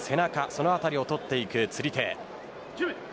その辺りを取っていく釣り手。